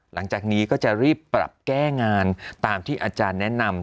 หลังจากนี้ก็จะรีบปรับแก้งานตามที่อาจารย์แนะนำ